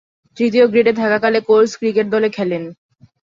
তৃতীয় গ্রেডে থাকাকালে Colts cricket দলে খেলেন।